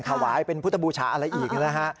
หวายเป็นพุทธบูชะอะไรอีกเลยครับ